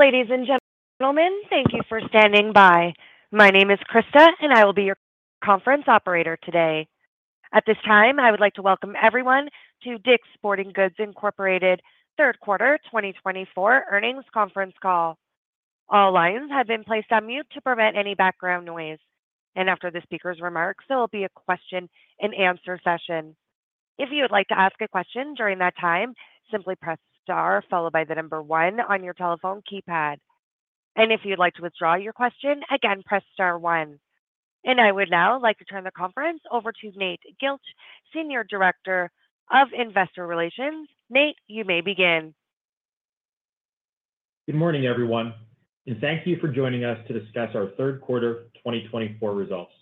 Ladies and gentlemen, thank you for standing by. My name is Krista, and I will be your conference operator today. At this time, I would like to welcome everyone to DICK'S Sporting Goods, Inc.'s third quarter 2024 earnings conference call. All lines have been placed on mute to prevent any background noise. After the speaker's remarks, there will be a question-and-answer session. If you would like to ask a question during that time, simply press star followed by the number one on your telephone keypad. If you'd like to withdraw your question, again, press star one. I would now like to turn the conference over to Nate Gilch, Senior Director of Investor Relations. Nate, you may begin. Good morning, everyone, and thank you for joining us to discuss our third quarter 2024 results.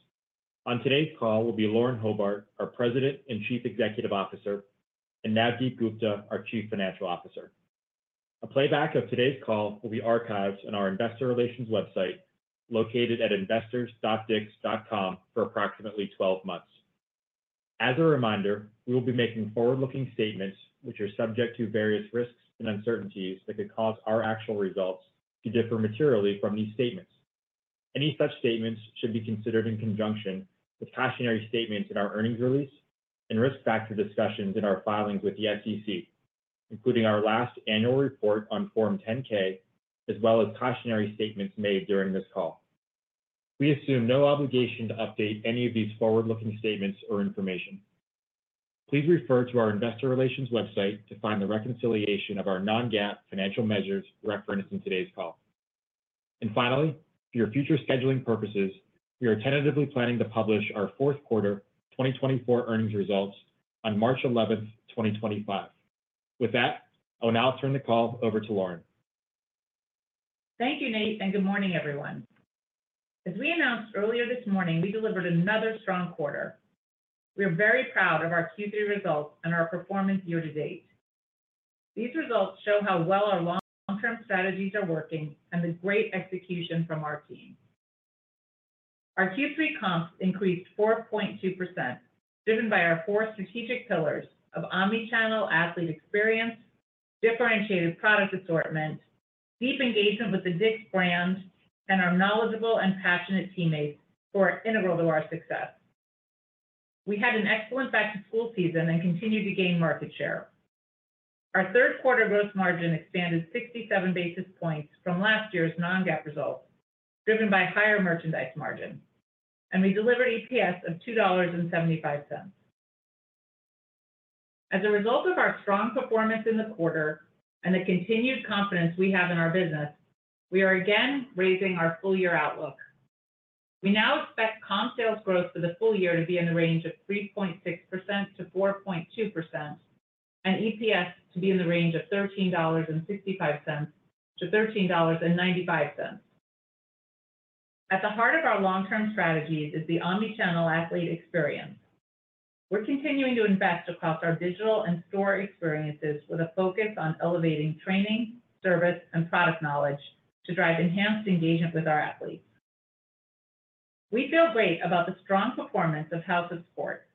On today's call will be Lauren Hobart, our President and Chief Executive Officer, and Navdeep Gupta, our Chief Financial Officer. A playback of today's call will be archived on our Investor Relations website located at investors.dicks.com for approximately 12 months. As a reminder, we will be making forward-looking statements, which are subject to various risks and uncertainties that could cause our actual results to differ materially from these statements. Any such statements should be considered in conjunction with cautionary statements in our earnings release and risk factor discussions in our filings with the SEC, including our last annual report on Form 10-K, as well as cautionary statements made during this call. We assume no obligation to update any of these forward-looking statements or information. Please refer to our Investor Relations website to find the reconciliation of our non-GAAP financial measures referenced in today's call. And finally, for your future scheduling purposes, we are tentatively planning to publish our fourth quarter 2024 earnings results on March 11, 2025. With that, I will now turn the call over to Lauren. Thank you, Nate, and good morning, everyone. As we announced earlier this morning, we delivered another strong quarter. We are very proud of our Q3 results and our performance year to date. These results show how well our long-term strategies are working and the great execution from our team. Our Q3 comps increased 4.2%, driven by our four strategic pillars of omnichannel athlete experience, differentiated product assortment, deep engagement with the DICK'S brand, and our knowledgeable and passionate teammates who are integral to our success. We had an excellent back-to-school season and continued to gain market share. Our third quarter gross margin expanded 67 basis points from last year's non-GAAP results, driven by higher merchandise margin, and we delivered EPS of $2.75. As a result of our strong performance in the quarter and the continued confidence we have in our business, we are again raising our full-year outlook. We now expect comp sales growth for the full year to be in the range of 3.6%-4.2% and EPS to be in the range of $13.65-$13.95. At the heart of our long-term strategies is the omnichannel athlete experience. We're continuing to invest across our digital and store experiences with a focus on elevating training, service, and product knowledge to drive enhanced engagement with our athletes. We feel great about the strong performance of House of Sport.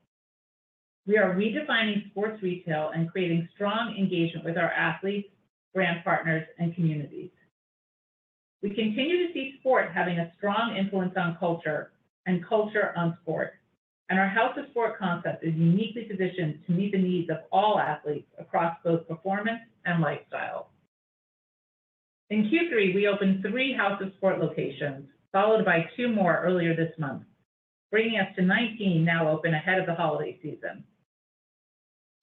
We are redefining sports retail and creating strong engagement with our athletes, brand partners, and communities. We continue to see sport having a strong influence on culture and culture on sport, and our House of Sport concept is uniquely positioned to meet the needs of all athletes across both performance and lifestyle. In Q3, we opened three House of Sport locations, followed by two more earlier this month, bringing us to 19 now open ahead of the holiday season.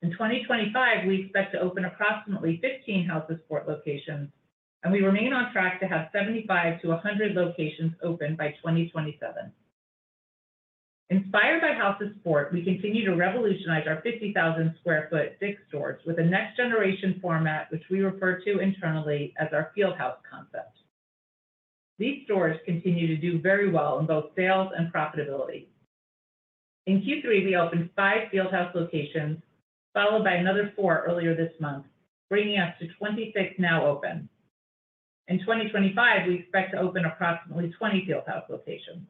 In 2025, we expect to open approximately 15 House of Sport locations, and we remain on track to have 75 to 100 locations open by 2027. Inspired by House of Sport, we continue to revolutionize our 50,000 sq ft DICK'S stores with a next-generation format, which we refer to internally as our Field House concept. These stores continue to do very well in both sales and profitability. In Q3, we opened five Field House locations, followed by another four earlier this month, bringing us to 26 now open. In 2025, we expect to open approximately 20 Field House locations.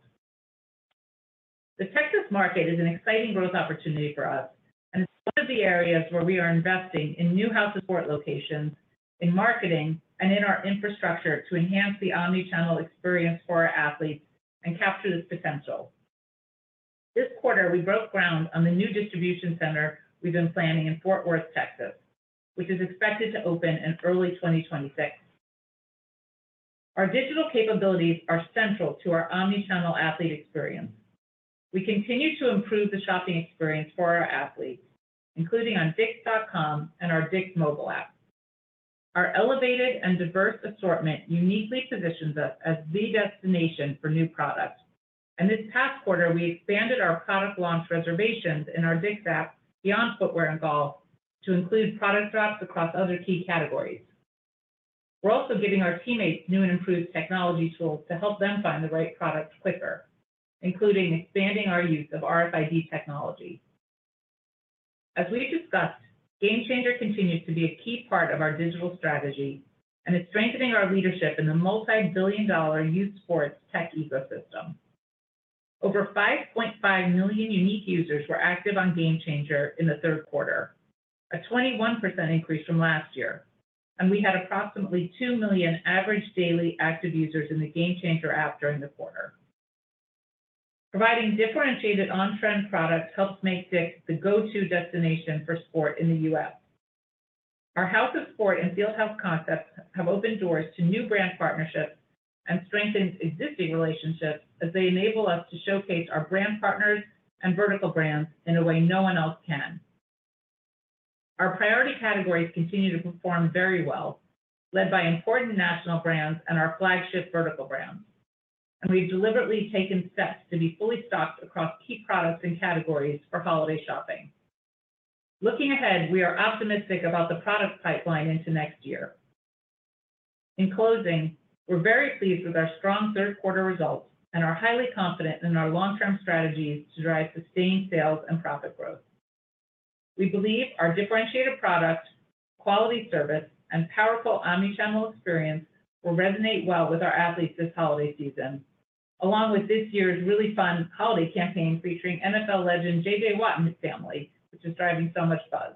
The Texas market is an exciting growth opportunity for us and is one of the areas where we are investing in new House of Sport locations, in marketing, and in our infrastructure to enhance the omnichannel experience for our athletes and capture this potential. This quarter, we broke ground on the new distribution center we've been planning in Fort Worth, Texas, which is expected to open in early 2026. Our digital capabilities are central to our omnichannel athlete experience. We continue to improve the shopping experience for our athletes, including on DICK'S.com and our DICK'S mobile app. Our elevated and diverse assortment uniquely positions us as the destination for new products, and this past quarter, we expanded our product launch reservations in our DICK'S app beyond footwear and golf to include product drops across other key categories. We're also giving our teammates new and improved technology tools to help them find the right products quicker, including expanding our use of RFID technology. As we've discussed, GameChanger continues to be a key part of our digital strategy, and it's strengthening our leadership in the multi-billion-dollar youth sports tech ecosystem. Over 5.5 million unique users were active on GameChanger in the third quarter, a 21% increase from last year, and we had approximately 2 million average daily active users in the GameChanger app during the quarter. Providing differentiated on-trend products helps make DICK'S the go-to destination for sport in the U.S. Our House of Sport and Field House concepts have opened doors to new brand partnerships and strengthened existing relationships as they enable us to showcase our brand partners and vertical brands in a way no one else can. Our priority categories continue to perform very well, led by important national brands and our flagship vertical brands, and we've deliberately taken steps to be fully stocked across key products and categories for holiday shopping. Looking ahead, we are optimistic about the product pipeline into next year. In closing, we're very pleased with our strong third-quarter results and are highly confident in our long-term strategies to drive sustained sales and profit growth. We believe our differentiated product, quality service, and powerful omnichannel experience will resonate well with our athletes this holiday season, along with this year's really fun holiday campaign featuring NFL legend J.J. Watt and his family, which is driving so much buzz.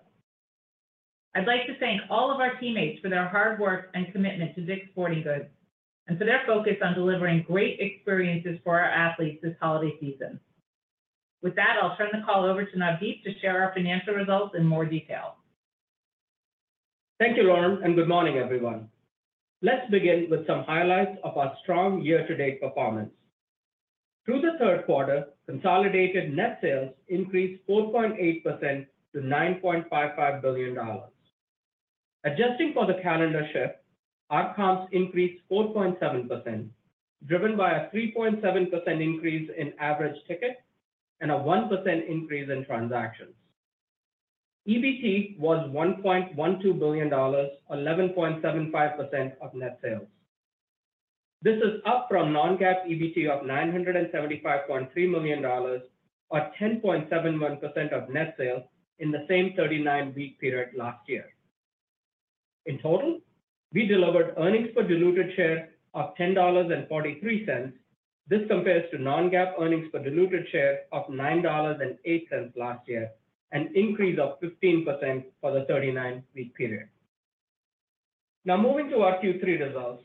I'd like to thank all of our teammates for their hard work and commitment to DICK'S Sporting Goods and for their focus on delivering great experiences for our athletes this holiday season. With that, I'll turn the call over to Navdeep to share our financial results in more detail. Thank you, Lauren, and good morning, everyone. Let's begin with some highlights of our strong year-to-date performance. Through the third quarter, consolidated net sales increased 4.8% to $9.55 billion. Adjusting for the calendar shift, our comps increased 4.7%, driven by a 3.7% increase in average ticket and a 1% increase in transactions. EBT was $1.12 billion, or 11.75% of net sales. This is up from non-GAAP EBT of $975.3 million, or 10.71% of net sales in the same 39-week period last year. In total, we delivered earnings per diluted share of $10.43. This compares to non-GAAP earnings per diluted share of $9.08 last year, an increase of 15% for the 39-week period. Now, moving to our Q3 results.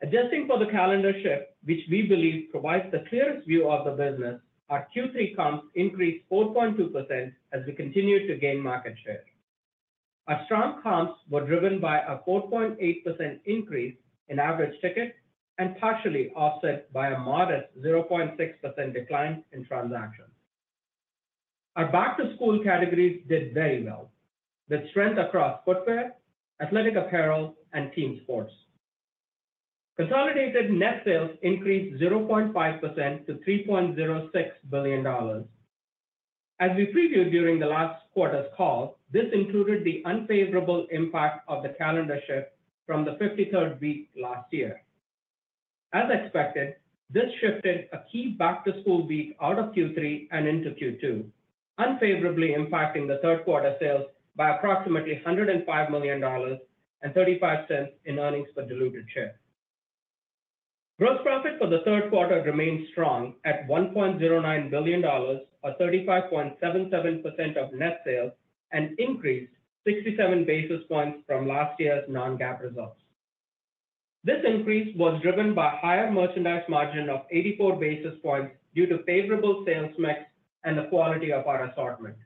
Adjusting for the calendar shift, which we believe provides the clearest view of the business, our Q3 comps increased 4.2% as we continued to gain market share. Our strong comps were driven by a 4.8% increase in average ticket and partially offset by a modest 0.6% decline in transactions. Our back-to-school categories did very well, with strength across footwear, athletic apparel, and team sports. Consolidated net sales increased 0.5% to $3.06 billion. As we previewed during the last quarter's call, this included the unfavorable impact of the calendar shift from the 53rd week last year. As expected, this shifted a key back-to-school week out of Q3 and into Q2, unfavorably impacting the third quarter sales by approximately $105 million and $0.35 in earnings per diluted share. Gross profit for the third quarter remained strong at $1.09 billion, or 35.77% of net sales, and increased 67 basis points from last year's non-GAAP results. This increase was driven by a higher merchandise margin of 84 basis points due to favorable sales mix and the quality of our assortment.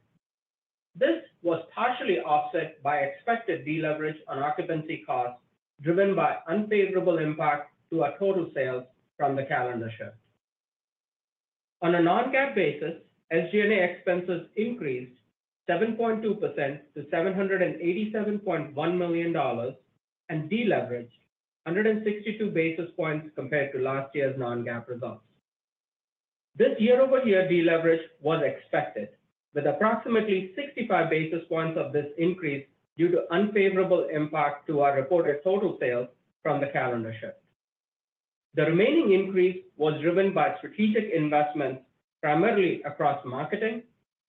This was partially offset by expected deleverage on occupancy costs driven by unfavorable impact to our total sales from the calendar shift. On a non-GAAP basis, SG&A expenses increased 7.2% to $787.1 million and deleveraged 162 basis points compared to last year's non-GAAP results. This year-over-year deleverage was expected, with approximately 65 basis points of this increase due to unfavorable impact to our reported total sales from the calendar shift. The remaining increase was driven by strategic investments, primarily across marketing,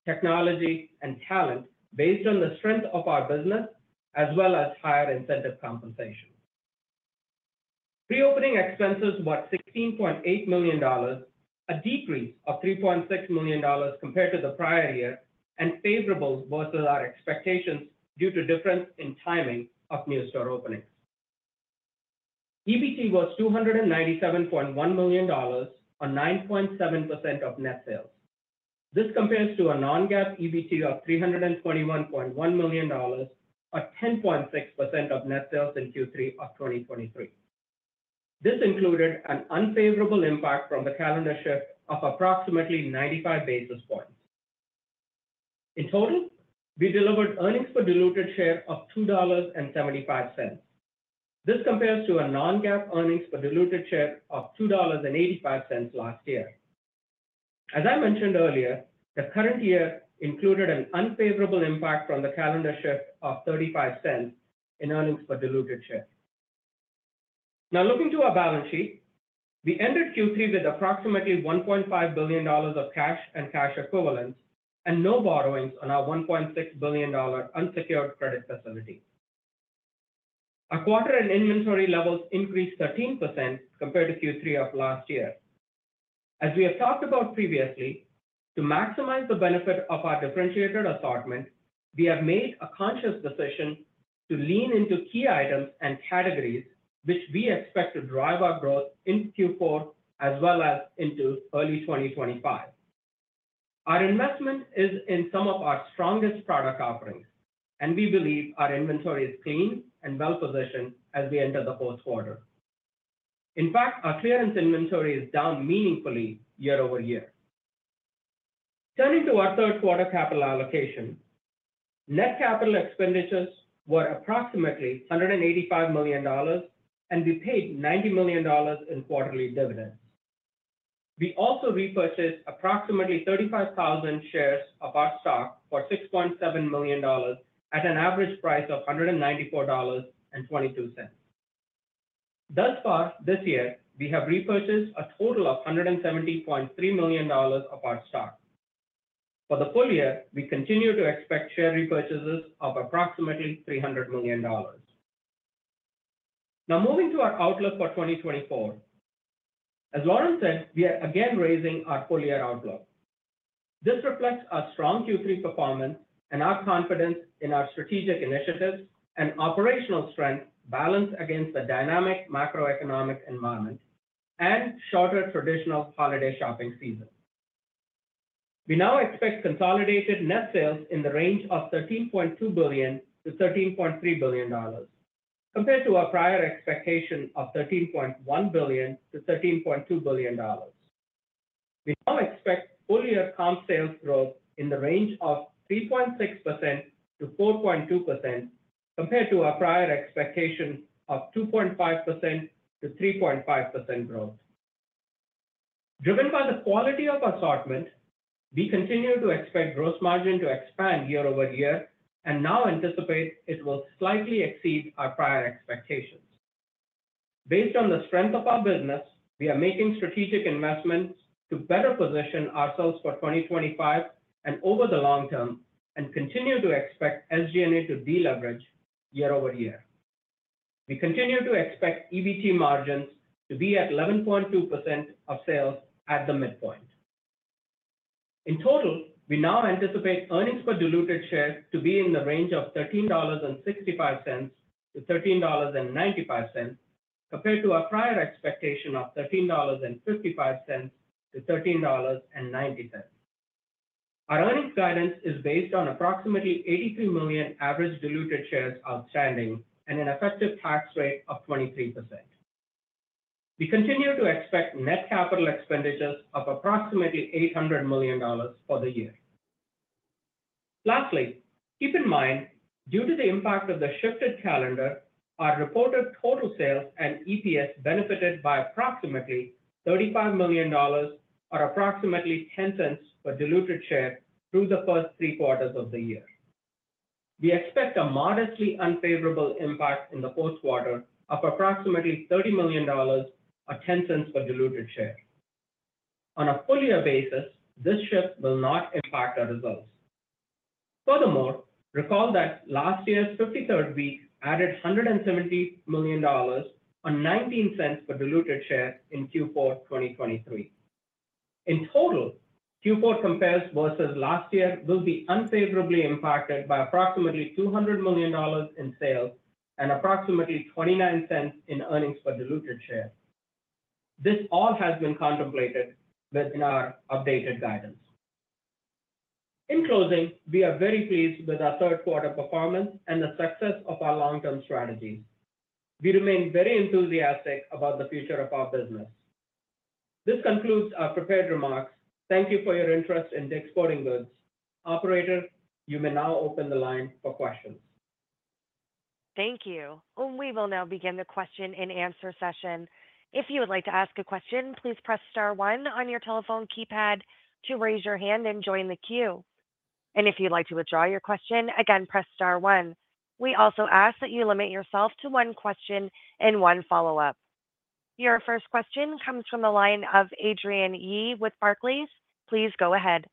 technology, and talent, based on the strength of our business, as well as higher incentive compensation. Pre-opening expenses were $16.8 million, a decrease of $3.6 million compared to the prior year, and favorable versus our expectations due to difference in timing of new store openings. EBT was $297.1 million or 9.7% of net sales. This compares to a non-GAAP EBT of $321.1 million, or 10.6% of net sales in Q3 of 2023. This included an unfavorable impact from the calendar shift of approximately 95 basis points. In total, we delivered earnings per diluted share of $2.75. This compares to a non-GAAP earnings per diluted share of $2.85 last year. As I mentioned earlier, the current year included an unfavorable impact from the calendar shift of $0.35 in earnings per diluted share. Now, looking to our balance sheet, we ended Q3 with approximately $1.5 billion of cash and cash equivalents and no borrowings on our $1.6 billion unsecured credit facility. Our quarterly inventory levels increased 13% compared to Q3 of last year. As we have talked about previously, to maximize the benefit of our differentiated assortment, we have made a conscious decision to lean into key items and categories which we expect to drive our growth in Q4 as well as into early 2025. Our investment is in some of our strongest product offerings, and we believe our inventory is clean and well-positioned as we enter the fourth quarter. In fact, our clearance inventory is down meaningfully year-over-year. Turning to our third quarter capital allocation, net capital expenditures were approximately $185 million, and we paid $90 million in quarterly dividends. We also repurchased approximately 35,000 shares of our stock for $6.7 million at an average price of $194.22. Thus far, this year, we have repurchased a total of $170.3 million of our stock. For the full year, we continue to expect share repurchases of approximately $300 million. Now, moving to our outlook for 2024. As Lauren said, we are again raising our full-year outlook. This reflects our strong Q3 performance and our confidence in our strategic initiatives and operational strength balanced against the dynamic macroeconomic environment and shorter traditional holiday shopping season. We now expect consolidated net sales in the range of $13.2 billion-$13.3 billion, compared to our prior expectation of $13.1 billion-$13.2 billion. We now expect full-year comp sales growth in the range of 3.6%-4.2%, compared to our prior expectation of 2.5%-3.5% growth. Driven by the quality of assortment, we continue to expect gross margin to expand year-over-year and now anticipate it will slightly exceed our prior expectations. Based on the strength of our business, we are making strategic investments to better position ourselves for 2025 and over the long term and continue to expect SG&A to deleverage year-over-year. We continue to expect EBT margins to be at 11.2% of sales at the midpoint. In total, we now anticipate earnings per diluted share to be in the range of $13.65 to $13.95, compared to our prior expectation of $13.55 to $13.90. Our earnings guidance is based on approximately 83 million average diluted shares outstanding and an effective tax rate of 23%. We continue to expect net capital expenditures of approximately $800 million for the year. Lastly, keep in mind, due to the impact of the shifted calendar, our reported total sales and EPS benefited by approximately $35 million, or approximately $0.10 per diluted share through the first three quarters of the year. We expect a modestly unfavorable impact in the fourth quarter of approximately $30 million, or $0.10 per diluted share. On a full-year basis, this shift will not impact our results. Furthermore, recall that last year's 53rd week added $170 million or $0.19 per diluted share in Q4 2023. In total, Q4 comps versus last year will be unfavorably impacted by approximately $200 million in sales and approximately $0.29 in earnings per diluted share. This all has been contemplated within our updated guidance. In closing, we are very pleased with our third quarter performance and the success of our long-term strategies. We remain very enthusiastic about the future of our business. This concludes our prepared remarks. Thank you for your interest in DICK'S Sporting Goods. Operator, you may now open the line for questions. Thank you. We will now begin the question and answer session. If you would like to ask a question, please press star one on your telephone keypad to raise your hand and join the queue. And if you'd like to withdraw your question, again, press star one. We also ask that you limit yourself to one question and one follow-up. Your first question comes from the line of Adrienne Yih with Barclays. Please go ahead.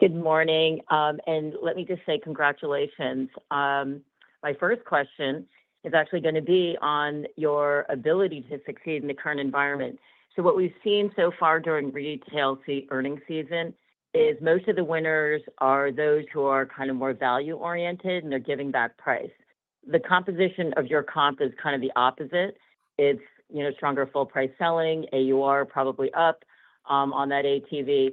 Good morning. And let me just say congratulations. My first question is actually going to be on your ability to succeed in the current environment. So what we've seen so far during retail earnings season is most of the winners are those who are kind of more value-oriented, and they're giving back price. The composition of your comp is kind of the opposite. It's stronger full-price selling, AUR probably up on that ATV.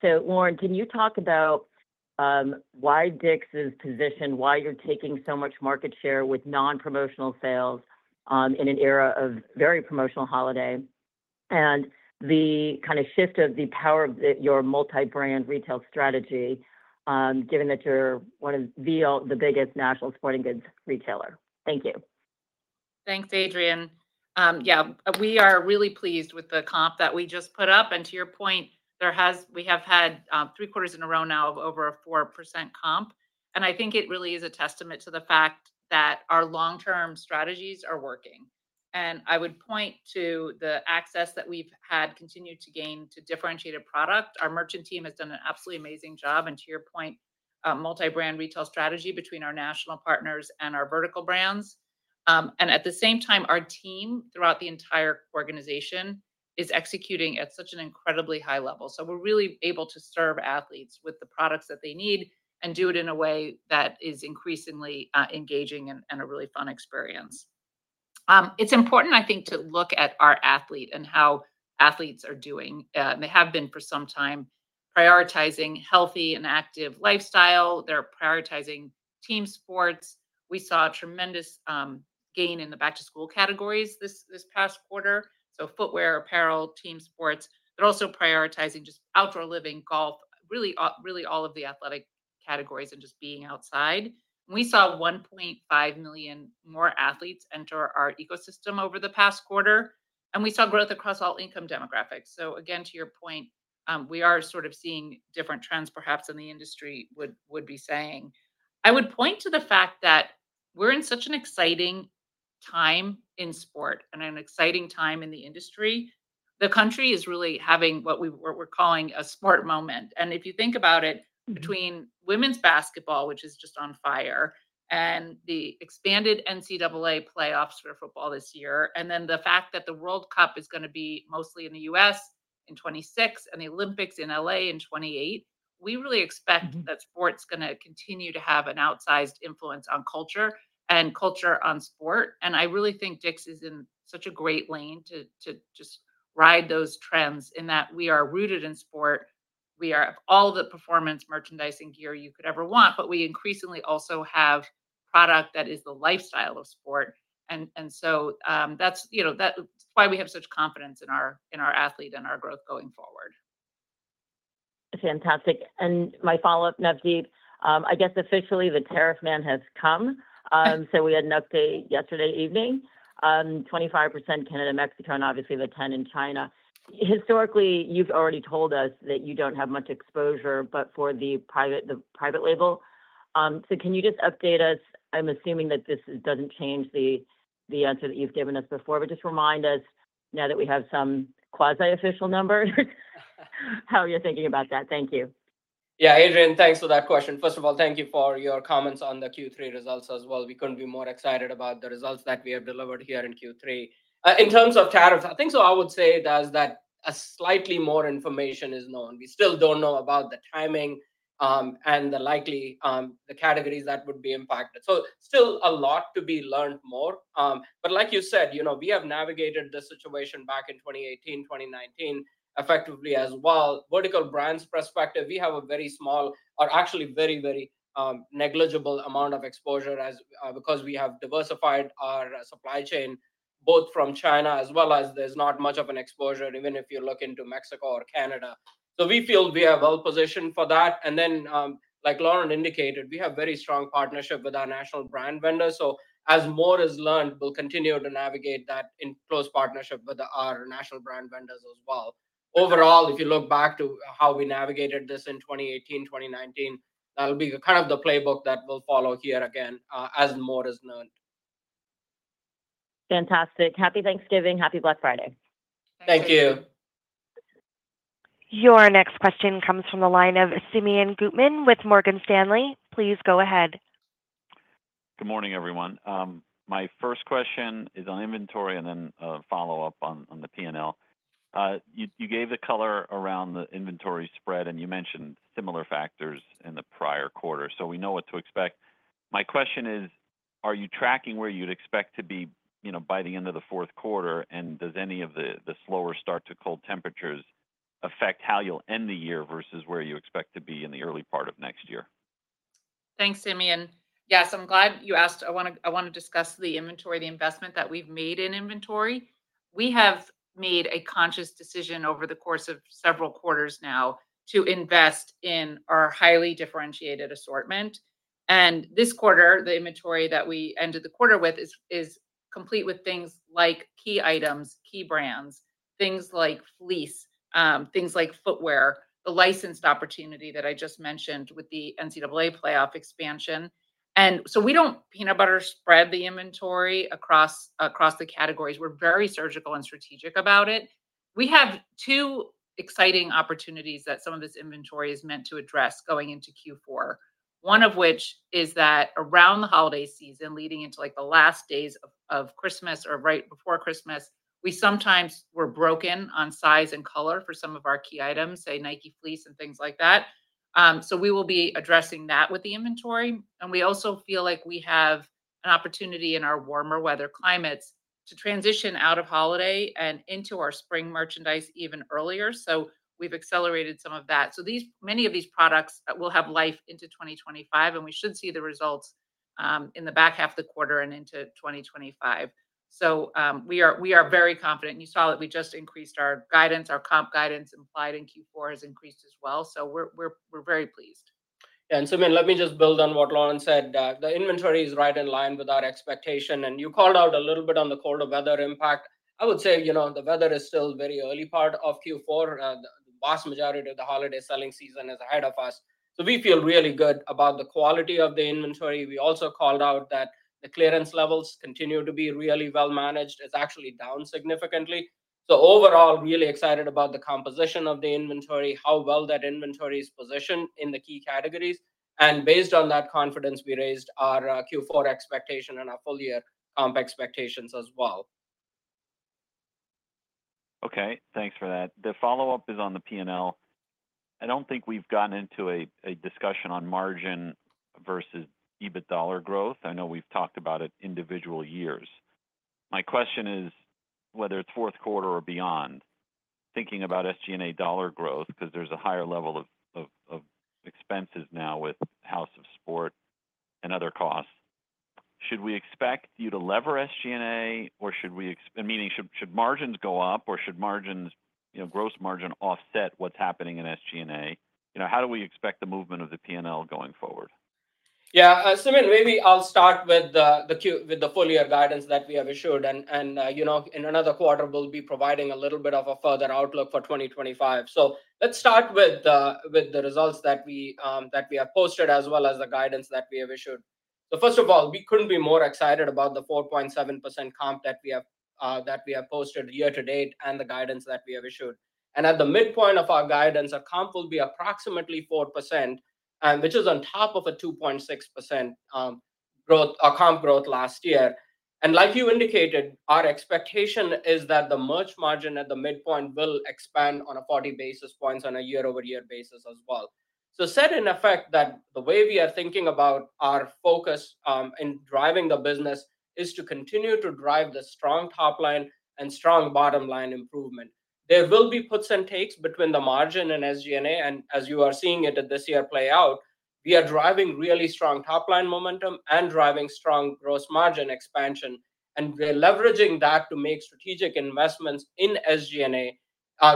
So, Lauren, can you talk about why DICK'S is positioned, why you're taking so much market share with non-promotional sales in an era of very promotional holiday, and the kind of shift of the power of your multi-brand retail strategy, given that you're one of the biggest national sporting goods retailer? Thank you. Thanks, Adrienne. Yeah, we are really pleased with the comp that we just put up. And to your point, we have had three quarters in a row now of over a 4% comp. And I think it really is a testament to the fact that our long-term strategies are working. And I would point to the access that we've had continued to gain to differentiated product. Our merchant team has done an absolutely amazing job. And to your point, multi-brand retail strategy between our national partners and our vertical brands. And at the same time, our team throughout the entire organization is executing at such an incredibly high level. So we're really able to serve athletes with the products that they need and do it in a way that is increasingly engaging and a really fun experience. It's important, I think, to look at our athlete and how athletes are doing. They have been for some time prioritizing healthy and active lifestyle. They're prioritizing team sports. We saw a tremendous gain in the back-to-school categories this past quarter. So footwear, apparel, team sports. They're also prioritizing just outdoor living, golf, really all of the athletic categories and just being outside. We saw 1.5 million more athletes enter our ecosystem over the past quarter. And we saw growth across all income demographics. So again, to your point, we are sort of seeing different trends, perhaps in the industry would be saying. I would point to the fact that we're in such an exciting time in sport and an exciting time in the industry. The country is really having what we're calling a sport moment. If you think about it, between women's basketball, which is just on fire, and the expanded NCAA playoffs for football this year, and then the fact that the World Cup is going to be mostly in the U.S. in 2026 and the Olympics in L.A. in 2028, we really expect that sports is going to continue to have an outsized influence on culture and culture on sport. I really think DICK'S is in such a great lane to just ride those trends in that we are rooted in sport. We have all the performance merchandising gear you could ever want, but we increasingly also have product that is the lifestyle of sport. That's why we have such confidence in our athleisure and our growth going forward. That's fantastic. And my follow-up, Navdeep, I guess officially the tariff man has come. So we had an update yesterday evening, 25% Canada-Mexico and obviously the 10% in China. Historically, you've already told us that you don't have much exposure, but for the private label. So can you just update us? I'm assuming that this doesn't change the answer that you've given us before, but just remind us now that we have some quasi-official number, how you're thinking about that. Thank you. Yeah, Adrienne, thanks for that question. First of all, thank you for your comments on the Q3 results as well. We couldn't be more excited about the results that we have delivered here in Q3. In terms of tariffs, I think so I would say there's that slightly more information is known. We still don't know about the timing and the likely categories that would be impacted. So still a lot to be learned more. But like you said, we have navigated the situation back in 2018, 2019 effectively as well. Vertical brands perspective, we have a very small or actually very, very negligible amount of exposure because we have diversified our supply chain both from China as well as there's not much of an exposure even if you look into Mexico or Canada. So we feel we are well-positioned for that. And then, like Lauren indicated, we have a very strong partnership with our national brand vendors. So as more is learned, we'll continue to navigate that in close partnership with our national brand vendors as well. Overall, if you look back to how we navigated this in 2018, 2019, that'll be kind of the playbook that we'll follow here again as more is learned. Fantastic. Happy Thanksgiving. Happy Black Friday. Thank you. Your next question comes from the line of Simeon Gutman with Morgan Stanley. Please go ahead. Good morning, everyone. My first question is on inventory and then a follow-up on the P&L. You gave the color around the inventory spread, and you mentioned similar factors in the prior quarter, so we know what to expect. My question is, are you tracking where you'd expect to be by the end of the fourth quarter, and does any of the slower start to cold temperatures affect how you'll end the year versus where you expect to be in the early part of next year? Thanks, Simeon. Yes, I'm glad you asked. I want to discuss the inventory, the investment that we've made in inventory. We have made a conscious decision over the course of several quarters now to invest in our highly differentiated assortment, and this quarter, the inventory that we ended the quarter with is complete with things like key items, key brands, things like fleece, things like footwear, the licensed opportunity that I just mentioned with the NCAA playoff expansion, and so we don't peanut butter spread the inventory across the categories. We're very surgical and strategic about it. We have two exciting opportunities that some of this inventory is meant to address going into Q4, one of which is that around the holiday season leading into the last days of Christmas or right before Christmas, we sometimes were broken on size and color for some of our key items, say Nike fleece and things like that, so we will be addressing that with the inventory, and we also feel like we have an opportunity in our warmer weather climates to transition out of holiday and into our spring merchandise even earlier, so we've accelerated some of that, so many of these products will have life into 2025, and we should see the results in the back half of the quarter and into 2025, so we are very confident, and you saw that we just increased our guidance. Our comp guidance implied in Q4 has increased as well. We're very pleased. Yeah. And Simeon, let me just build on what Lauren said. The inventory is right in line with our expectation. And you called out a little bit on the colder weather impact. I would say the weather is still very early part of Q4. The vast majority of the holiday selling season is ahead of us. So we feel really good about the quality of the inventory. We also called out that the clearance levels continue to be really well managed. It's actually down significantly. So overall, really excited about the composition of the inventory, how well that inventory is positioned in the key categories. And based on that confidence, we raised our Q4 expectation and our full-year comp expectations as well. Okay. Thanks for that. The follow-up is on the P&L. I don't think we've gotten into a discussion on margin versus EBITDA dollar growth. I know we've talked about it in individual years. My question is whether it's fourth quarter or beyond, thinking about SG&A dollar growth, because there's a higher level of expenses now with House of Sport and other costs. Should we expect you to lever SG&A, or should we, meaning, should margins go up, or should margins, gross margin offset what's happening in SG&A? How do we expect the movement of the P&L going forward? Yeah. Simeon, maybe I'll start with the full-year guidance that we have issued, and in another quarter, we'll be providing a little bit of a further outlook for 2025, so let's start with the results that we have posted as well as the guidance that we have issued, so first of all, we couldn't be more excited about the 4.7% comp that we have posted year to date and the guidance that we have issued, and at the midpoint of our guidance, our comp will be approximately 4%, which is on top of a 2.6% growth, our comp growth last year, and like you indicated, our expectation is that the merch margin at the midpoint will expand 40 basis points on a year-over-year basis as well. Said in effect that the way we are thinking about our focus in driving the business is to continue to drive the strong top line and strong bottom line improvement. There will be puts and takes between the margin and SG&A. As you are seeing it this year play out, we are driving really strong top line momentum and driving strong gross margin expansion. We're leveraging that to make strategic investments in SG&A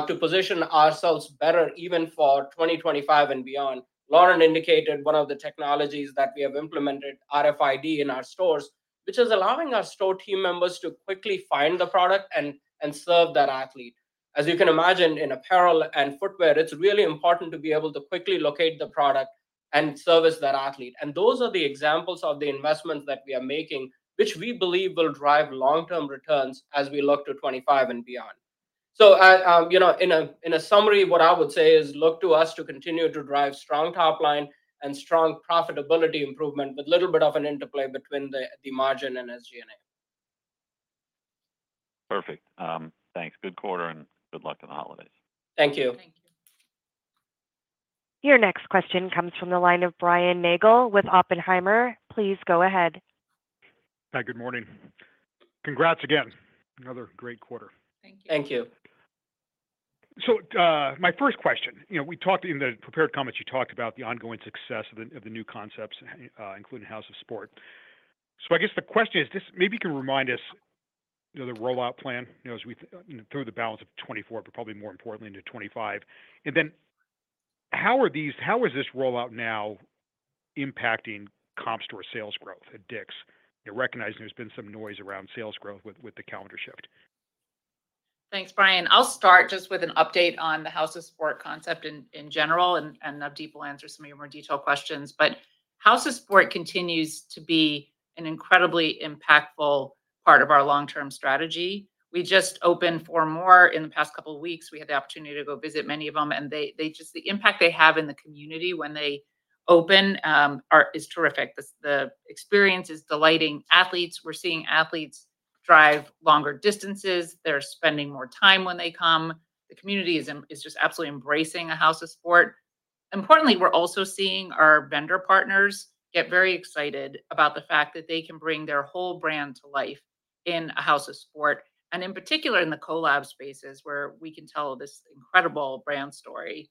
to position ourselves better even for 2025 and beyond. Lauren indicated one of the technologies that we have implemented, RFID in our stores, which is allowing our store team members to quickly find the product and serve that athlete. As you can imagine, in apparel and footwear, it's really important to be able to quickly locate the product and serve that athlete. And those are the examples of the investments that we are making, which we believe will drive long-term returns as we look to 2025 and beyond. So in a summary, what I would say is look to us to continue to drive strong top line and strong profitability improvement with a little bit of an interplay between the margin and SG&A. Perfect. Thanks. Good quarter and good luck in the holidays. Thank you. Your next question comes from the line of Brian Nagel with Oppenheimer. Please go ahead. Hi, good morning. Congrats again. Another great quarter. Thank you. Thank you. My first question, we talked in the prepared comments, you talked about the ongoing success of the new concepts, including House of Sport. I guess the question is, this maybe can remind us of the rollout plan through the balance of 2024, but probably more importantly into 2025. And then how is this rollout now impacting comp store sales growth at DICK'S, recognizing there's been some noise around sales growth with the calendar shift? Thanks, Brian. I'll start just with an update on the House of Sport concept in general, and Navdeep will answer some of your more detailed questions. But House of Sport continues to be an incredibly impactful part of our long-term strategy. We just opened four more in the past couple of weeks. We had the opportunity to go visit many of them. And the impact they have in the community when they open is terrific. The experience is delighting. Athletes, we're seeing athletes drive longer distances. They're spending more time when they come. The community is just absolutely embracing a House of Sport. Importantly, we're also seeing our vendor partners get very excited about the fact that they can bring their whole brand to life in a House of Sport, and in particular in the co-lab spaces where we can tell this incredible brand story.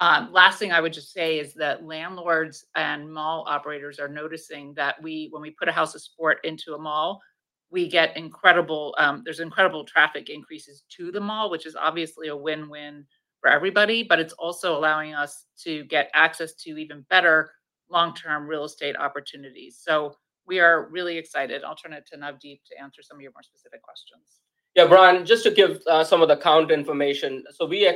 Last thing I would just say is that landlords and mall operators are noticing that when we put a House of Sport into a mall, there's incredible traffic increases to the mall, which is obviously a win-win for everybody, but it's also allowing us to get access to even better long-term real estate opportunities. So we are really excited. I'll turn it to Navdeep to answer some of your more specific questions. Yeah, Brian, just to give some of the counter information. So we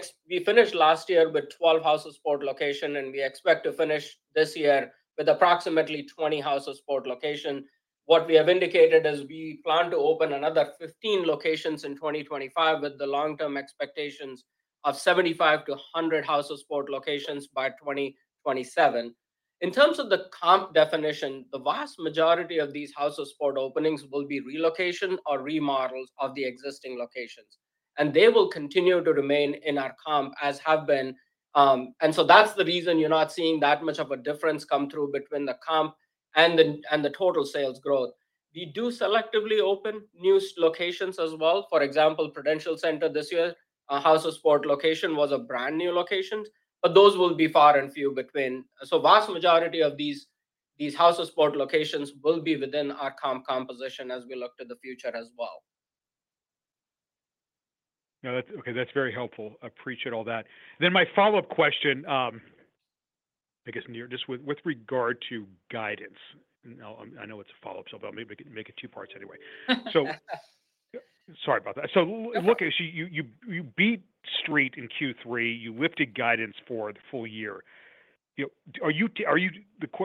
finished last year with 12 House of Sport locations, and we expect to finish this year with approximately 20 House of Sport locations. What we have indicated is we plan to open another 15 locations in 2025 with the long-term expectations of 75-100 House of Sport locations by 2027. In terms of the comp definition, the vast majority of these House of Sport openings will be relocation or remodels of the existing locations. And they will continue to remain in our comp as have been. And so that's the reason you're not seeing that much of a difference come through between the comp and the total sales growth. We do selectively open new locations as well. For example, Prudential Center this year, our House of Sport location was a brand new location, but those will be far and few between. So the vast majority of these House of Sport locations will be within our comp composition as we look to the future as well. Okay, that's very helpful. Appreciate all that. Then my follow-up question, I guess just with regard to guidance. I know it's a follow-up, so I'll make it two parts anyway. So sorry about that. So look, you beat Street in Q3. You lifted guidance for the full year. The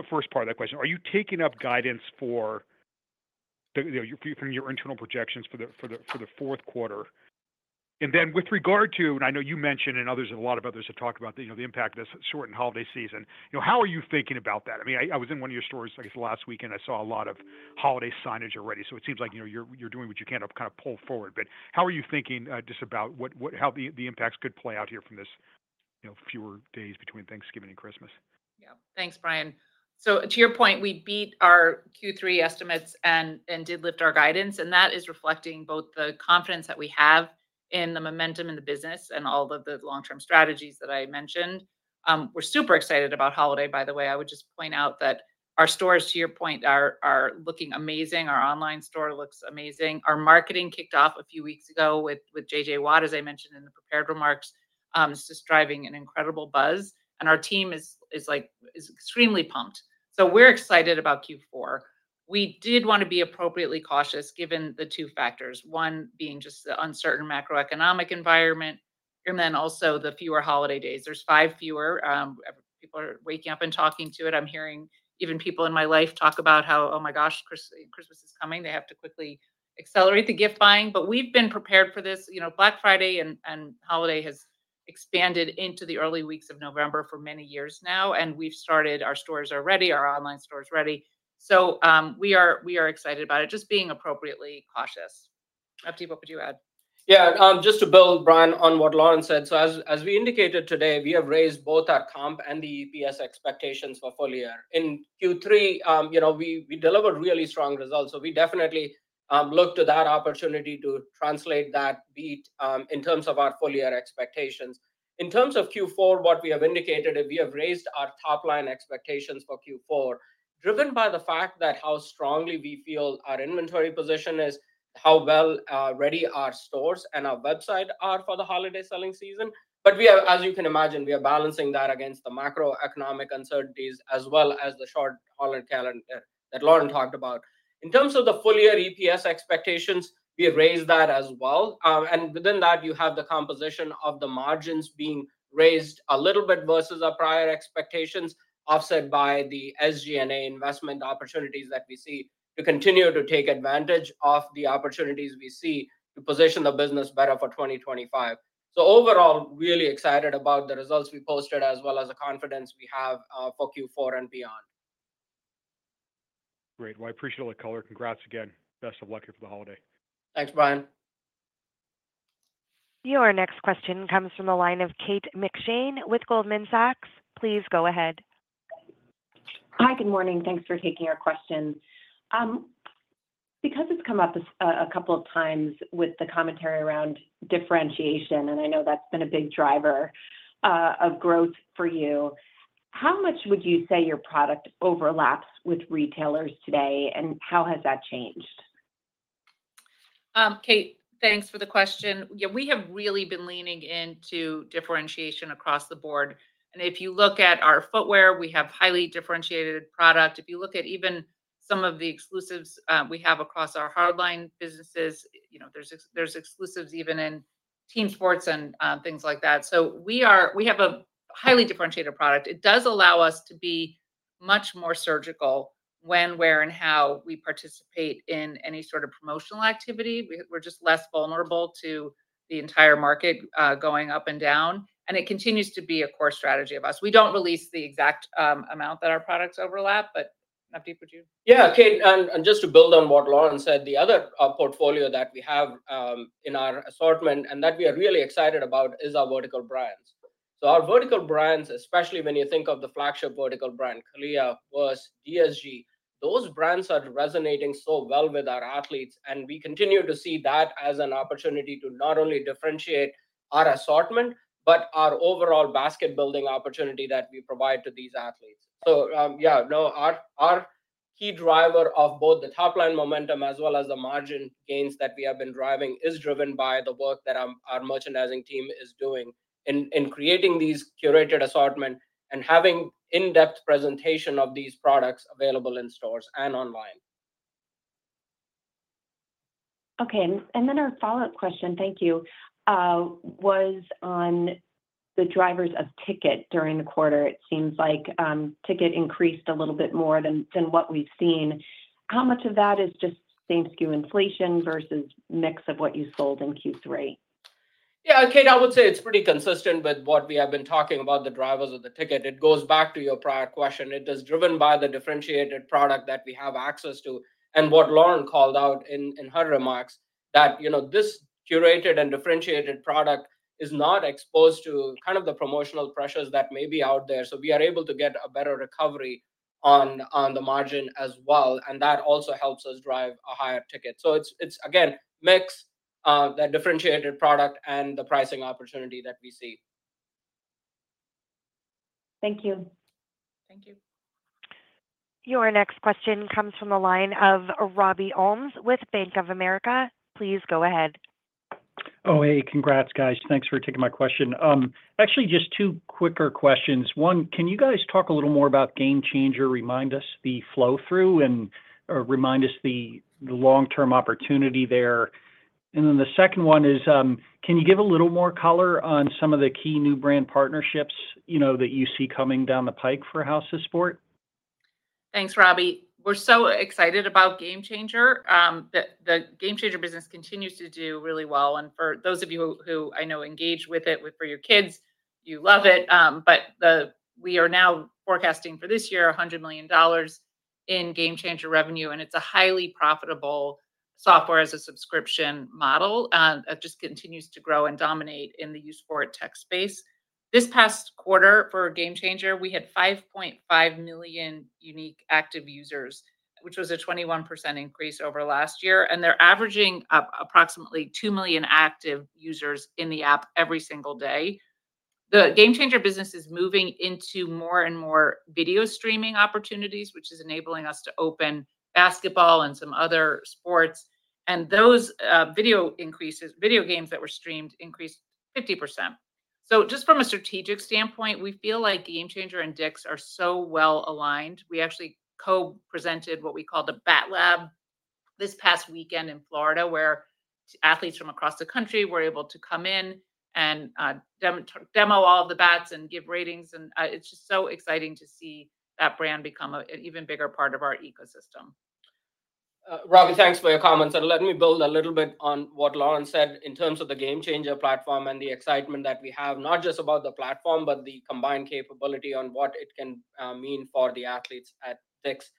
first part of that question, are you taking up guidance from your internal projections for the fourth quarter? And then with regard to, and I know you mentioned and a lot of others have talked about the impact of this shortened holiday season, how are you thinking about that? I mean, I was in one of your stores, I guess, last weekend. I saw a lot of holiday signage already. So it seems like you're doing what you can to kind of pull forward. But how are you thinking just about how the impacts could play out here from this fewer days between Thanksgiving and Christmas? Yeah. Thanks, Brian. So to your point, we beat our Q3 estimates and did lift our guidance. And that is reflecting both the confidence that we have in the momentum in the business and all of the long-term strategies that I mentioned. We're super excited about holiday, by the way. I would just point out that our stores, to your point, are looking amazing. Our online store looks amazing. Our marketing kicked off a few weeks ago with J.J. Watt, as I mentioned in the prepared remarks. It's just driving an incredible buzz. And our team is extremely pumped. So we're excited about Q4. We did want to be appropriately cautious given the two factors, one being just the uncertain macroeconomic environment, and then also the fewer holiday days. There's five fewer. People are waking up and talking to it. I'm hearing even people in my life talk about how, "Oh my gosh, Christmas is coming. They have to quickly accelerate the gift buying." But we've been prepared for this. Black Friday and holiday has expanded into the early weeks of November for many years now. And we've started. Our stores are ready, our online stores ready. So we are excited about it, just being appropriately cautious. Navdeep, what would you add? Yeah. Just to build, Brian, on what Lauren said. So as we indicated today, we have raised both our comp and the EPS expectations for full year. In Q3, we delivered really strong results. So we definitely look to that opportunity to translate that beat in terms of our full-year expectations. In terms of Q4, what we have indicated, we have raised our top line expectations for Q4, driven by the fact that how strongly we feel our inventory position is, how well ready our stores and our website are for the holiday selling season. But as you can imagine, we are balancing that against the macroeconomic uncertainties as well as the short holiday calendar that Lauren talked about. In terms of the full-year EPS expectations, we raised that as well. And within that, you have the composition of the margins being raised a little bit versus our prior expectations, offset by the SG&A investment opportunities that we see to continue to take advantage of the opportunities we see to position the business better for 2025. So overall, really excited about the results we posted as well as the confidence we have for Q4 and beyond. Great. Well, I appreciate all the color. Congrats again. Best of luck here for the holiday. Thanks, Brian. Your next question comes from the line of Kate McShane with Goldman Sachs. Please go ahead. Hi, good morning. Thanks for taking our question. Because it's come up a couple of times with the commentary around differentiation, and I know that's been a big driver of growth for you, how much would you say your product overlaps with retailers today, and how has that changed? Kate, thanks for the question. Yeah, we have really been leaning into differentiation across the board. If you look at our footwear, we have highly differentiated product. If you look at even some of the exclusives we have across our hardline businesses, there's exclusives even in team sports and things like that. So we have a highly differentiated product. It does allow us to be much more surgical when, where, and how we participate in any sort of promotional activity. We're just less vulnerable to the entire market going up and down. It continues to be a core strategy of us. We don't release the exact amount that our products overlap, but Navdeep, would you? Yeah, Kate, and just to build on what Lauren said, the other portfolio that we have in our assortment and that we are really excited about is our vertical brands. So our vertical brands, especially when you think of the flagship vertical brand, CALIA, VRST, DSG, those brands are resonating so well with our athletes. And we continue to see that as an opportunity to not only differentiate our assortment, but our overall basket-building opportunity that we provide to these athletes. So yeah, no, our key driver of both the top line momentum as well as the margin gains that we have been driving is driven by the work that our merchandising team is doing in creating these curated assortments and having in-depth presentation of these products available in stores and online. Okay. And then our follow-up question, thank you, was on the drivers of ticket during the quarter. It seems like ticket increased a little bit more than what we've seen. How much of that is just same-SKU inflation versus mix of what you sold in Q3? Yeah, Kate, I would say it's pretty consistent with what we have been talking about, the drivers of the ticket. It goes back to your prior question. It is driven by the differentiated product that we have access to. And what Lauren called out in her remarks, that this curated and differentiated product is not exposed to kind of the promotional pressures that may be out there. So we are able to get a better recovery on the margin as well. And that also helps us drive a higher ticket. So it's, again, mix that differentiated product and the pricing opportunity that we see. Thank you. Thank you. Your next question comes from the line of Robbie Ohmes with Bank of America. Please go ahead. Oh, hey, congrats, guys. Thanks for taking my question. Actually, just two quicker questions. One, can you guys talk a little more about GameChanger, remind us the flow-through and remind us the long-term opportunity there? And then the second one is, can you give a little more color on some of the key new brand partnerships that you see coming down the pike for House of Sport? Thanks, Robbie. We're so excited about GameChanger. The GameChanger business continues to do really well, and for those of you who I know engage with it for your kids, you love it, but we are now forecasting for this year $100 million in GameChanger revenue, and it's a highly profitable software as a subscription model that just continues to grow and dominate in the youth sports tech space. This past quarter for GameChanger, we had 5.5 million unique active users, which was a 21% increase over last year, and they're averaging approximately 2 million active users in the app every single day. The GameChanger business is moving into more and more video streaming opportunities, which is enabling us to open basketball and some other sports, and those video games that were streamed increased 50%. Just from a strategic standpoint, we feel like GameChanger and DICK'S are so well aligned. We actually co-presented what we called the Bat Lab this past weekend in Florida, where athletes from across the country were able to come in and demo all of the bats and give ratings. And it's just so exciting to see that brand become an even bigger part of our ecosystem. Robbie, thanks for your comments. And let me build a little bit on what Lauren said in terms of the Game Changer platform and the excitement that we have, not just about the platform, but the combined capability on what it can mean for the athletes at DICK'S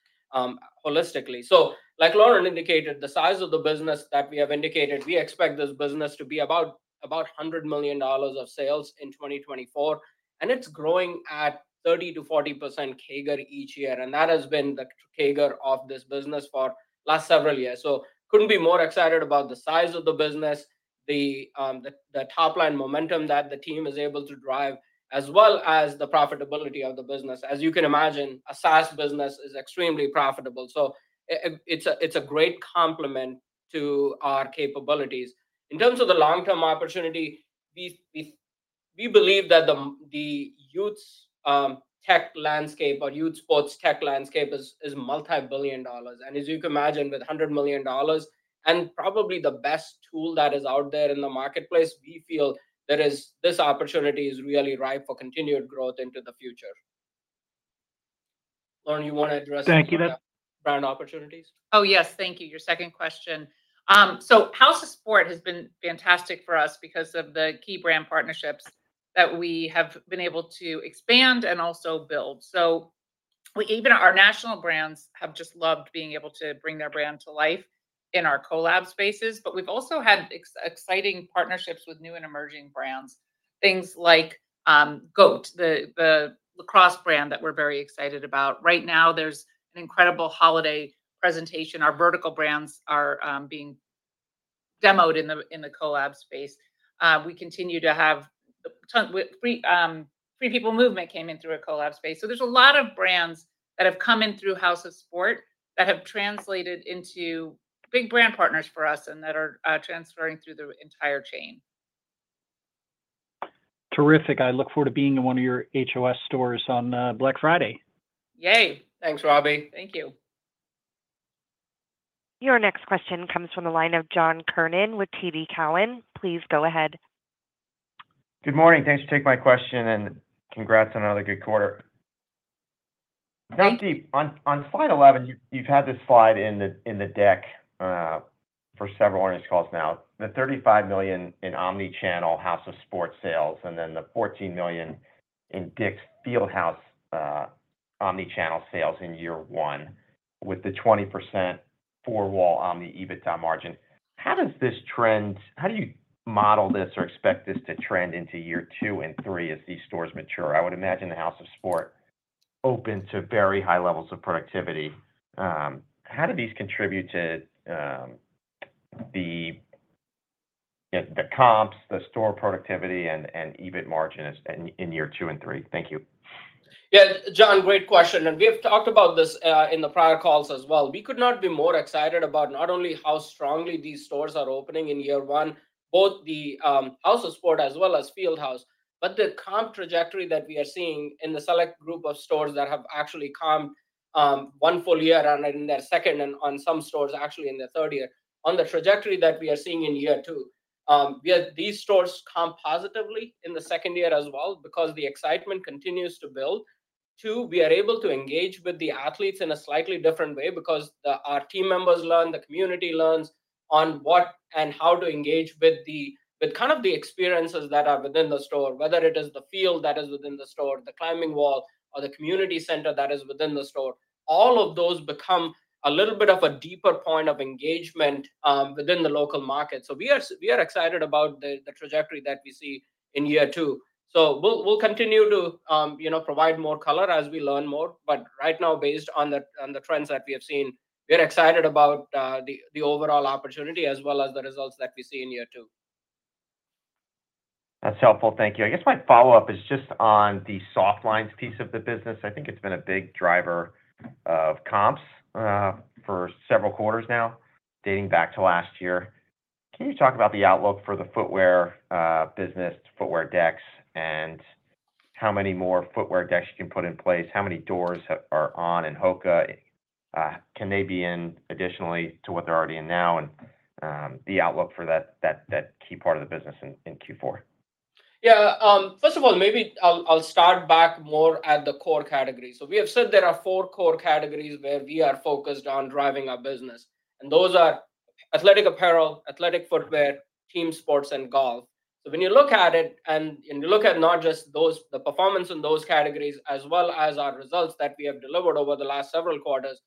holistically. So like Lauren indicated, the size of the business that we have indicated, we expect this business to be about $100 million of sales in 2024. And it's growing at 30%-40% CAGR each year. And that has been the CAGR of this business for the last several years. So couldn't be more excited about the size of the business, the top line momentum that the team is able to drive, as well as the profitability of the business. As you can imagine, a SaaS business is extremely profitable. So it's a great complement to our capabilities. In terms of the long-term opportunity, we believe that the youth tech landscape or youth sports tech landscape is multi-billion dollars. And as you can imagine, with $100 million and probably the best tool that is out there in the marketplace, we feel that this opportunity is really ripe for continued growth into the future. Lauren, you want to address the brand opportunities? Oh, yes. Thank you. Your second question. House of Sport has been fantastic for us because of the key brand partnerships that we have been able to expand and also build. Even our national brands have just loved being able to bring their brand to life in our collab spaces. But we've also had exciting partnerships with new and emerging brands, things like Gait, the lacrosse brand that we're very excited about. Right now, there's an incredible holiday presentation. Our vertical brands are being demoed in the collab space. We continue to have the Free People Movement came in through a collab space. So there's a lot of brands that have come in through House of Sport that have translated into big brand partners for us and that are transferring through the entire chain. Terrific. I look forward to being in one of your HOS stores on Black Friday. Yay. Thanks, Robbie. Thank you. Your next question comes from the line of John Kernan with TD Cowen. Please go ahead. Good morning. Thanks for taking my question and congrats on another good quarter. Thank you. On slide 11, you've had this slide in the deck for several earnings calls now. The $35 million in omnichannel House of Sport sales, and then the $14 million in DICK'S Field House omnichannel sales in year one with the 20% four-wall omni EBITDA margin. How does this trend, how do you model this or expect this to trend into year two and three as these stores mature? I would imagine the House of Sport open to very high levels of productivity. How do these contribute to the comps, the store productivity, and EBIT margin in year two and three? Thank you. Yeah, John, great question. And we have talked about this in the prior calls as well. We could not be more excited about not only how strongly these stores are opening in year one, both the House of Sport as well as Field House, but the comp trajectory that we are seeing in the select group of stores that have actually comped one full year and in their second, and on some stores actually in their third year, on the trajectory that we are seeing in year two. These stores comped positively in the second year as well because the excitement continues to build. Two, we are able to engage with the athletes in a slightly different way because our team members learn, the community learns on what and how to engage with kind of the experiences that are within the store, whether it is the field that is within the store, the climbing wall, or the community center that is within the store. All of those become a little bit of a deeper point of engagement within the local market. So we are excited about the trajectory that we see in year two. So we'll continue to provide more color as we learn more. But right now, based on the trends that we have seen, we are excited about the overall opportunity as well as the results that we see in year two. That's helpful. Thank you. I guess my follow-up is just on the soft lines piece of the business. I think it's been a big driver of comps for several quarters now, dating back to last year. Can you talk about the outlook for the footwear business, footwear decks, and how many more footwear decks you can put in place? How many doors are on in Hoka? Can they be in addition to what they're already in now? And the outlook for that key part of the business in Q4? Yeah. First of all, maybe I'll start back more at the core categories. We have said there are four core categories where we are focused on driving our business. And those are athletic apparel, athletic footwear, team sports, and golf. When you look at it, and you look at not just the performance in those categories as well as our results that we have delivered over the last several quarters,